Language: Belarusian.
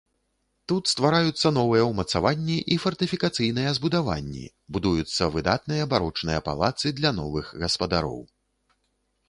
Тут ствараюцца новыя ўмацаванні і фартыфікацыйныя збудаванні, будуюцца выдатныя барочныя палацы для новых гаспадароў.